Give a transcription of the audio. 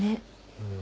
うん？